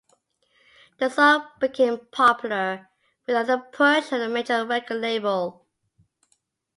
The song became popular without the push of a major record label.